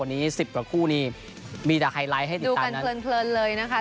วันนี้สิบกว่าคู่นี้มีแต่ไฮไลท์ให้ติดตามดูกันเพลินเพลินเลยนะคะ